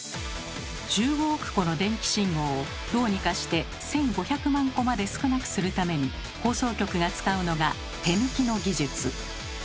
１５億個の電気信号をどうにかして１，５００万個まで少なくするために放送局が使うのが「手抜き」の技術。